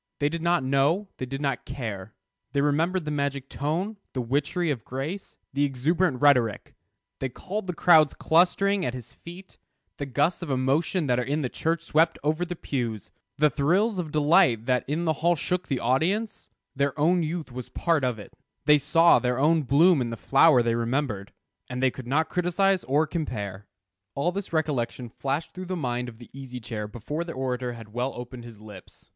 They did not know; they did not care. They remembered the magic tone, the witchery of grace, the exuberant rhetoric; they recalled the crowds clustering at his feet, the gusts of emotion that in the church swept over the pews, the thrills of delight that in the hall shook the audience; their own youth was part of it; they saw their own bloom in the flower they remembered, and they could not criticise or compare. All this recollection flashed through the mind of the Easy Chair before the orator had well opened his lips.